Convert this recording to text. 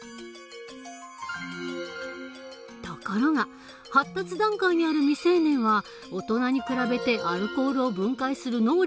ところが発達段階にある未成年は大人に比べてアルコールを分解する能力が弱い。